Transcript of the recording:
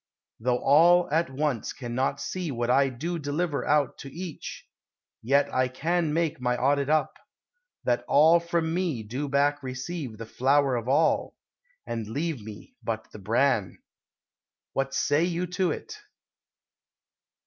Though all at once cannot See what I do deliver out to each, Yet I can make my audit up, that all From me do back receive the flour of all, And leave me but the bran." What say you to 't?